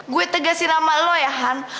gue tegasin ama elo ya han